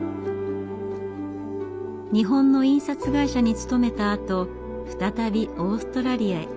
日本の印刷会社に勤めたあと再びオーストラリアへ。